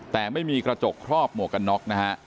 แต่ไม่มีกระจกครอบหมวกกันน็อกนะฮะ